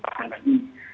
dan yang perlu diingat lagi